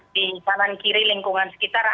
di kanan kiri lingkungan sekitar